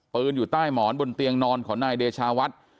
อยู่ใต้หมอนบนเตียงนอนของนายเดชาวัด